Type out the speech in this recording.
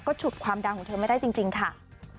ก็ฉุดความดาวม์ของเธอไม่ได้จริงจริงค่ะ